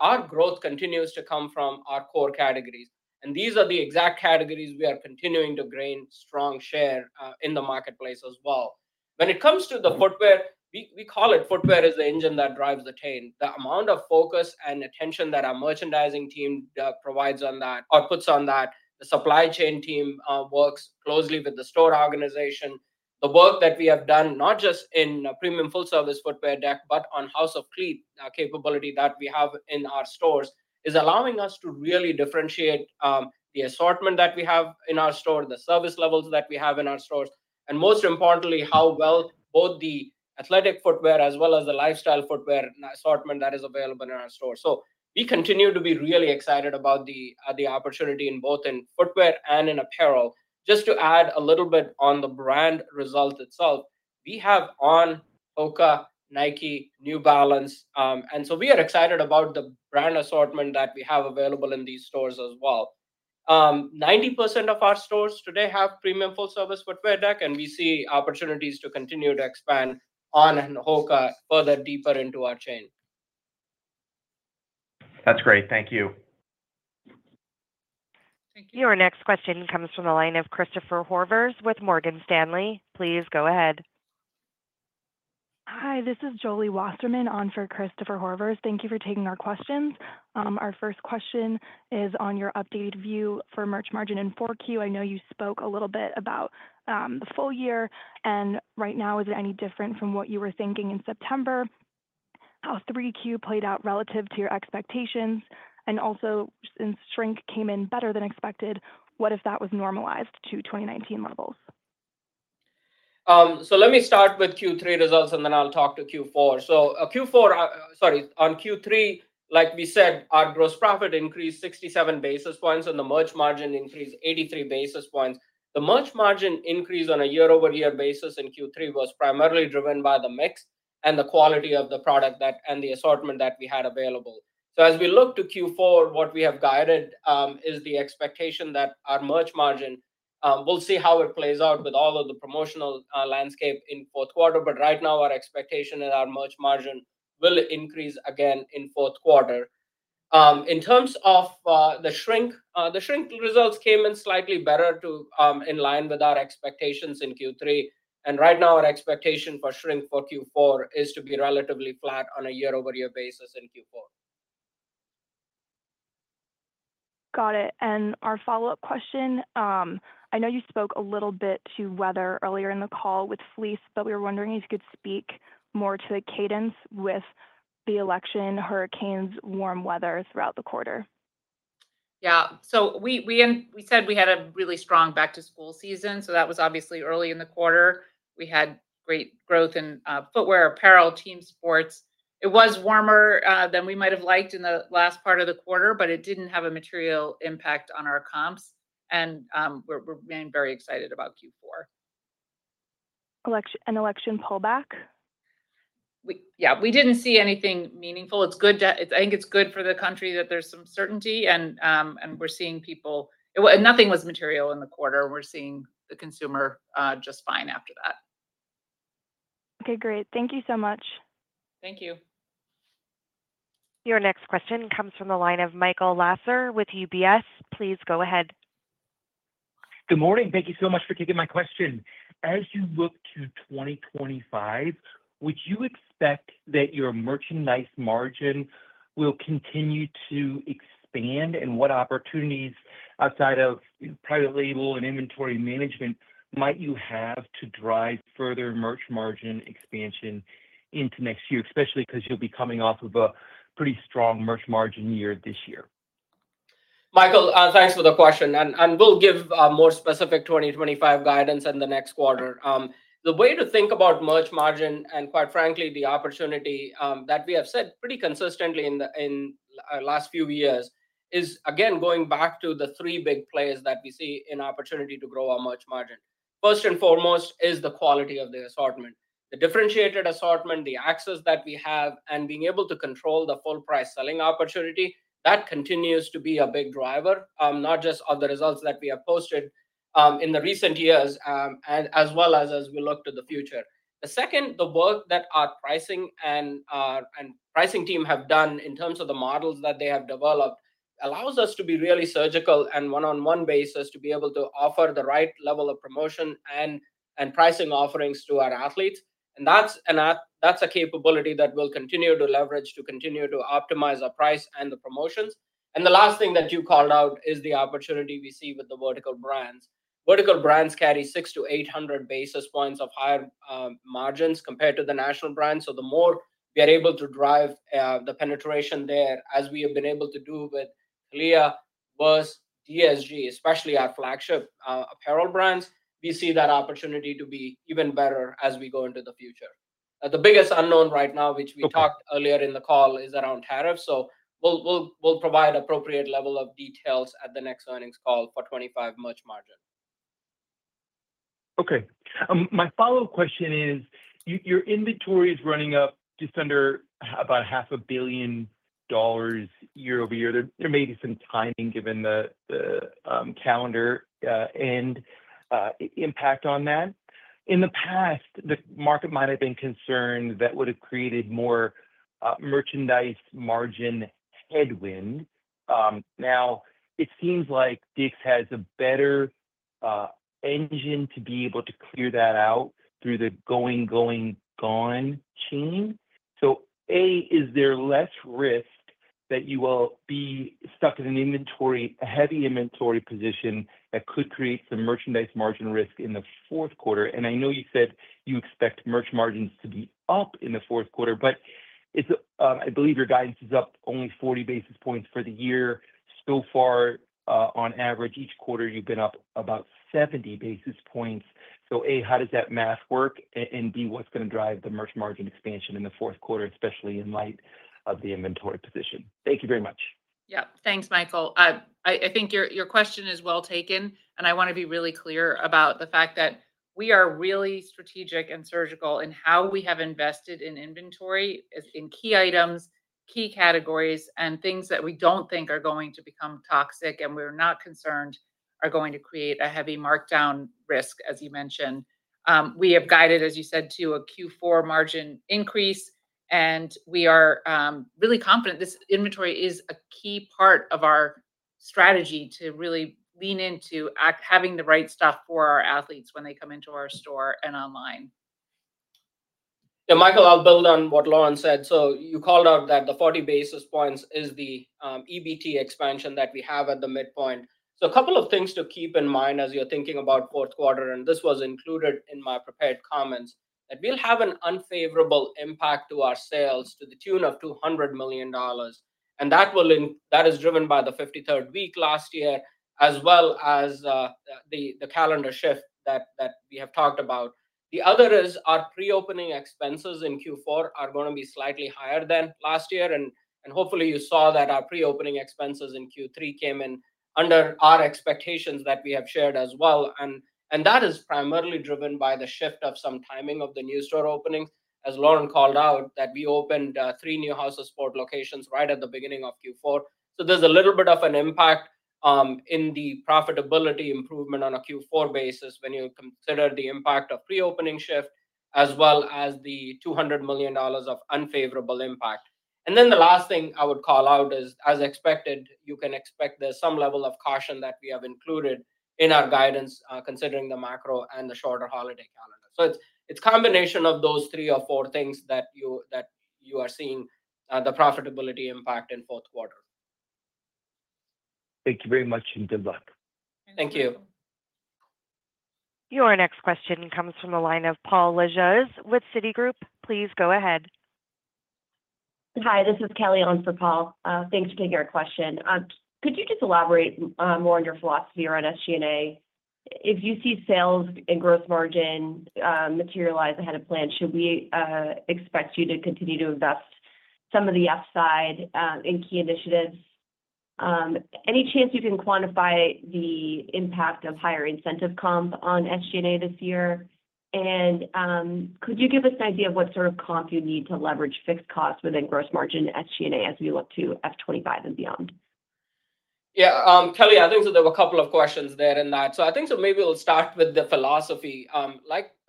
our growth continues to come from our core categories. And these are the exact categories we are continuing to gain strong share in the marketplace as well. When it comes to the footwear, we call it footwear is the engine that drives the train. The amount of focus and attention that our merchandising team provides on that or puts on that, the supply chain team works closely with the store organization. The work that we have done, not just in premium full-service footwear deck, but on House of Cleats capability that we have in our stores, is allowing us to really differentiate the assortment that we have in our store, the service levels that we have in our stores, and most importantly, how well both the athletic footwear as well as the lifestyle footwear assortment that is available in our store, so we continue to be really excited about the opportunity in both in footwear and in apparel. Just to add a little bit on the brand result itself, we have on HOKA, Nike, New Balance, and so we are excited about the brand assortment that we have available in these stores as well. 90% of our stores today have premium full-service footwear deck, and we see opportunities to continue to expand on HOKA further deeper into our chain. That's great. Thank you. Your next question comes from the line of Christopher Horvers with Morgan Stanley. Please go ahead. Hi, this is Jolie Wasserman on for Christopher Horvers. Thank you for taking our questions. Our first question is on your updated view for merch margin in 4Q. I know you spoke a little bit about the full year. And right now, is it any different from what you were thinking in September? How 3Q played out relative to your expectations? And also, since shrink came in better than expected, what if that was normalized to 2019 levels? Let me start with Q3 results, and then I'll talk to Q4. Q4, sorry, on Q3, like we said, our gross profit increased 67 basis points, and the merch margin increased 83 basis points. The merch margin increase on a year-over-year basis in Q3 was primarily driven by the mix and the quality of the product and the assortment that we had available. As we look to Q4, what we have guided is the expectation that our merch margin, we'll see how it plays out with all of the promotional landscape in fourth quarter. Right now, our expectation is our merch margin will increase again in fourth quarter. In terms of the shrink, the shrink results came in slightly better in line with our expectations in Q3. Right now, our expectation for shrink for Q4 is to be relatively flat on a year-over-year basis in Q4. Got it. And our follow-up question, I know you spoke a little bit to weather earlier in the call with fleece, but we were wondering if you could speak more to the cadence with the election, hurricanes, warm weather throughout the quarter? Yeah. So we said we had a really strong back-to-school season. So that was obviously early in the quarter. We had great growth in footwear, apparel, team sports. It was warmer than we might have liked in the last part of the quarter, but it didn't have a material impact on our comps. And we're being very excited about Q4. An election pullback? Yeah. We didn't see anything meaningful. I think it's good for the country that there's some certainty, and we're seeing people. Nothing was material in the quarter. We're seeing the consumer just fine after that. Okay. Great. Thank you so much. Thank you. Your next question comes from the line of Michael Lasser with UBS. Please go ahead. Good morning. Thank you so much for taking my question. As you look to 2025, would you expect that your merchandise margin will continue to expand? And what opportunities outside of private label and inventory management might you have to drive further merch margin expansion into next year, especially because you'll be coming off of a pretty strong merch margin year this year? Michael, thanks for the question. And we'll give more specific 2025 guidance in the next quarter. The way to think about merch margin and, quite frankly, the opportunity that we have said pretty consistently in the last few years is, again, going back to the three big plays that we see in opportunity to grow our merch margin. First and foremost is the quality of the assortment. The differentiated assortment, the access that we have, and being able to control the full-price selling opportunity, that continues to be a big driver, not just of the results that we have posted in the recent years, as well as we look to the future. The second, the work that our pricing team have done in terms of the models that they have developed allows us to be really surgical and one-on-one basis to be able to offer the right level of promotion and pricing offerings to our athletes. And that's a capability that we'll continue to leverage to continue to optimize our price and the promotions. And the last thing that you called out is the opportunity we see with the vertical brands. Vertical brands carry 600-800 basis points of higher margins compared to the national brands. So the more we are able to drive the penetration there, as we have been able to do with CALIA, VRST, DSG, especially our flagship apparel brands, we see that opportunity to be even better as we go into the future. The biggest unknown right now, which we talked earlier in the call, is around tariffs. So we'll provide appropriate level of details at the next earnings call for 25 merch margin. Okay. My follow-up question is, your inventory is running up just under about $500 million year-over-year. There may be some timing given the calendar and impact on that. In the past, the market might have been concerned that would have created more merchandise margin headwind. Now, it seems like DICK'S has a better engine to be able to clear that out through the Going, Going, Gone! chain. So A, is there less risk that you will be stuck in an inventory, a heavy inventory position that could create some merchandise margin risk in the fourth quarter? And I know you said you expect merch margins to be up in the fourth quarter, but I believe your guidance is up only 40 basis points for the year. So far, on average, each quarter, you've been up about 70 basis points. So A, how does that math work? And B, what's going to drive the merch margin expansion in the fourth quarter, especially in light of the inventory position? Thank you very much. Yep. Thanks, Michael. I think your question is well taken, and I want to be really clear about the fact that we are really strategic and surgical in how we have invested in inventory in key items, key categories, and things that we don't think are going to become toxic and we're not concerned are going to create a heavy markdown risk, as you mentioned. We have guided, as you said, to a Q4 margin increase, and we are really confident this inventory is a key part of our strategy to really lean into having the right stuff for our athletes when they come into our store and online. Yeah, Michael. I'll build on what Lauren said. So you called out that the 40 basis points is the EBT expansion that we have at the midpoint. So a couple of things to keep in mind as you're thinking about fourth quarter, and this was included in my prepared comments, that we'll have an unfavorable impact to our sales to the tune of $200 million. And that is driven by the 53rd week last year, as well as the calendar shift that we have talked about. The other is our pre-opening expenses in Q4 are going to be slightly higher than last year. And hopefully, you saw that our pre-opening expenses in Q3 came in under our expectations that we have shared as well. And that is primarily driven by the shift of some timing of the new store openings. As Lauren called out, that we opened three new House of Sport locations right at the beginning of Q4. So there's a little bit of an impact in the profitability improvement on a Q4 basis when you consider the impact of pre-opening shift, as well as the $200 million of unfavorable impact. And then the last thing I would call out is, as expected, you can expect there's some level of caution that we have included in our guidance considering the macro and the shorter holiday calendar. So it's a combination of those three or four things that you are seeing the profitability impact in fourth quarter. Thank you very much, and good luck. Thank you. Your next question comes from the line of Paul Lejuez with Citigroup. Please go ahead. Hi, this is Kelly Owens for Paul. Thanks for taking our question. Could you just elaborate more on your philosophy around SG&A? If you see sales and gross margin materialize ahead of plan, should we expect you to continue to invest some of the upside in key initiatives? Any chance you can quantify the impact of higher incentive comp on SG&A this year? And could you give us an idea of what sort of comp you need to leverage fixed costs within gross margin SG&A as we look to F25 and beyond? Yeah. Kelly, I think that there were a couple of questions there in that, so I think so maybe we'll start with the philosophy.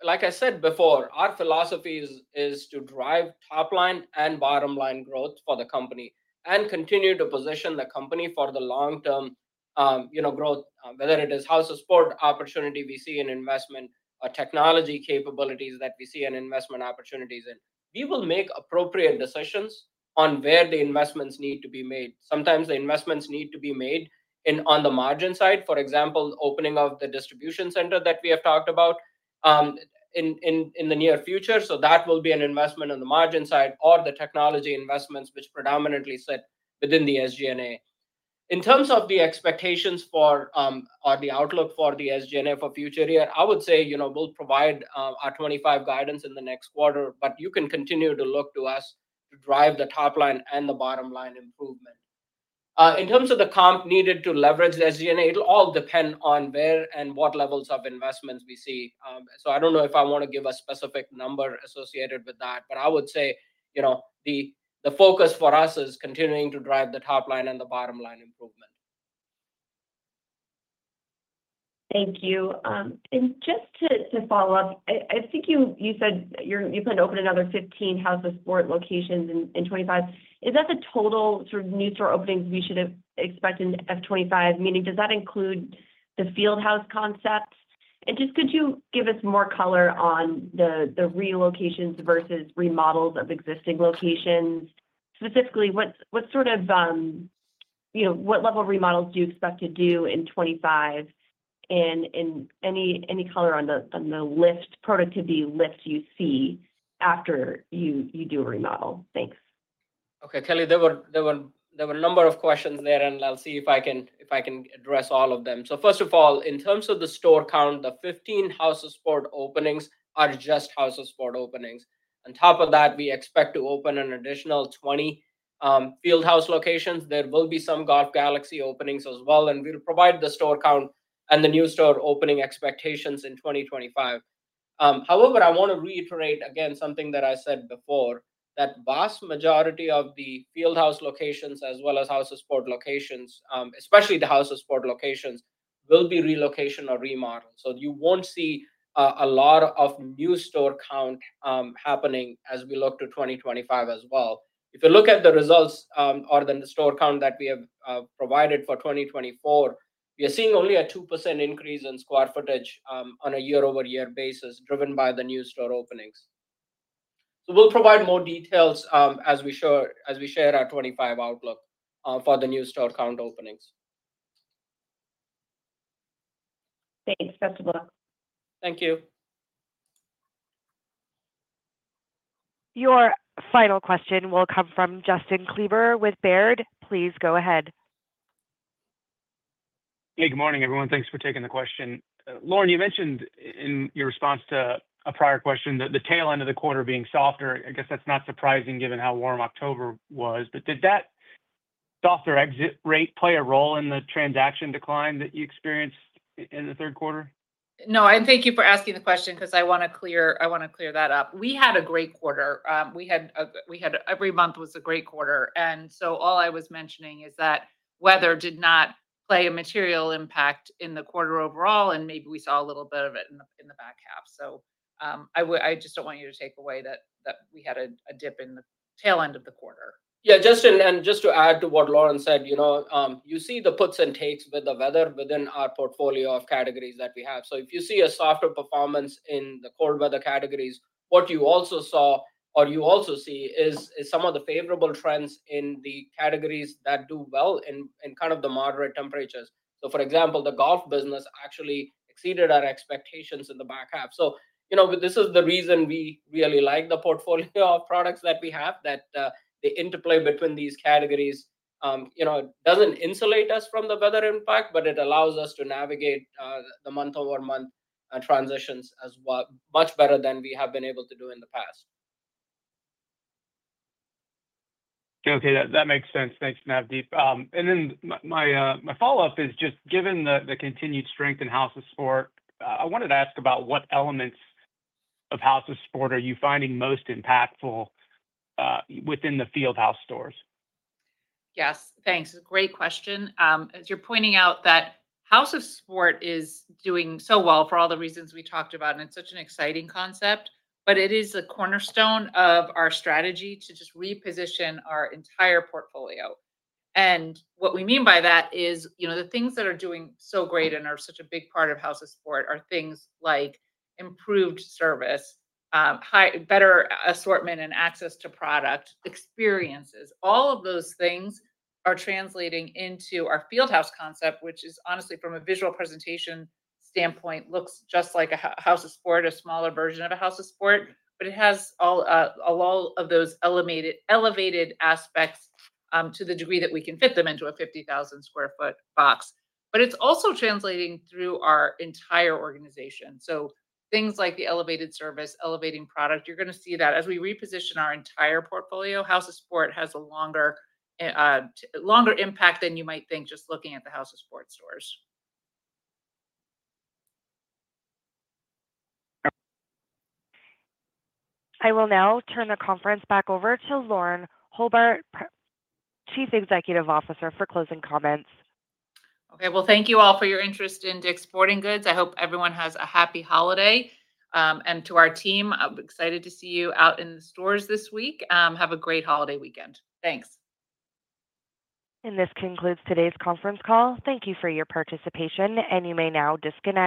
Like I said before, our philosophy is to drive top-line and bottom-line growth for the company and continue to position the company for the long-term growth, whether it is House of Sport opportunity we see in investment or technology capabilities that we see in investment opportunities, and we will make appropriate decisions on where the investments need to be made. Sometimes the investments need to be made on the margin side, for example, opening of the distribution center that we have talked about in the near future, so that will be an investment on the margin side or the technology investments, which predominantly sit within the SG&A. In terms of the expectations or the outlook for the SG&A for future year, I would say we'll provide our 2025 guidance in the next quarter, but you can continue to look to us to drive the top-line and the bottom-line improvement. In terms of the comp needed to leverage SG&A, it'll all depend on where and what levels of investments we see. So I don't know if I want to give a specific number associated with that, but I would say the focus for us is continuing to drive the top-line and the bottom-line improvement. Thank you. And just to follow up, I think you said you plan to open another 15 House of Sport locations in 2025. Is that the total sort of new store openings we should expect in F25? Meaning, does that include the Field House concept? And just could you give us more color on the relocations versus remodels of existing locations? Specifically, what sort of level of remodels do you expect to do in 2025? And any color on the productivity lift you see after you do a remodel? Thanks. Okay. Kelly, there were a number of questions there, and I'll see if I can address all of them. So first of all, in terms of the store count, the 15 House of Sport openings are just House of Sport openings. On top of that, we expect to open an additional 20 Field House locations. There will be some Golf Galaxy openings as well. And we'll provide the store count and the new store opening expectations in 2025. However, I want to reiterate again something that I said before, that the vast majority of the Field House locations, as well as House of Sport locations, especially the House of Sport locations, will be relocation or remodeled. So you won't see a lot of new store count happening as we look to 2025 as well. If you look at the results or the store count that we have provided for 2024, we are seeing only a 2% increase in square footage on a year-over-year basis driven by the new store openings. So we'll provide more details as we share our 2025 outlook for the new store count openings. Thanks. Best of luck. Thank you. Your final question will come from Justin Kleber with Baird. Please go ahead. Hey, good morning, everyone. Thanks for taking the question. Lauren, you mentioned in your response to a prior question that the tail end of the quarter being softer, I guess that's not surprising given how warm October was. But did that softer exit rate play a role in the transaction decline that you experienced in the third quarter? No, and thank you for asking the question because I want to clear that up. We had a great quarter. Every month was a great quarter, and so all I was mentioning is that weather did not play a material impact in the quarter overall, and maybe we saw a little bit of it in the back half, so I just don't want you to take away that we had a dip in the tail end of the quarter. Yeah. Justin, and just to add to what Lauren said, you see the puts and takes with the weather within our portfolio of categories that we have. So if you see a softer performance in the cold weather categories, what you also saw or you also see is some of the favorable trends in the categories that do well in kind of the moderate temperatures. So for example, the golf business actually exceeded our expectations in the back half. So this is the reason we really like the portfolio of products that we have, that the interplay between these categories doesn't insulate us from the weather impact, but it allows us to navigate the month-over-month transitions as well much better than we have been able to do in the past. Okay. That makes sense. Thanks, Navdeep. And then my follow-up is just given the continued strength in House of Sport, I wanted to ask about what elements of House of Sport are you finding most impactful within the Field House stores? Yes. Thanks. It's a great question. As you're pointing out, that House of Sport is doing so well for all the reasons we talked about, and it's such an exciting concept, but it is a cornerstone of our strategy to just reposition our entire portfolio. And what we mean by that is the things that are doing so great and are such a big part of House of Sport are things like improved service, better assortment and access to product, experiences. All of those things are translating into our Field House concept, which is honestly, from a visual presentation standpoint, looks just like a House of Sport, a smaller version of a House of Sport, but it has all of those elevated aspects to the degree that we can fit them into a 50,000-sq ft box. But it's also translating through our entire organization. So, things like the elevated service, elevating product, you're going to see that as we reposition our entire portfolio. House of Sport has a longer impact than you might think just looking at the House of Sport stores. I will now turn the conference back over to Lauren Hobart, Chief Executive Officer for closing comments. Okay. Well, thank you all for your interest in DICK'S Sporting Goods. I hope everyone has a happy holiday. To our team, I'm excited to see you out in the stores this week. Have a great holiday weekend. Thanks. This concludes today's conference call. Thank you for your participation, and you may now disconnect.